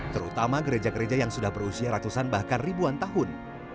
terutama gereja gereja yang sudah berusia ratusan bahkan ribuan tahun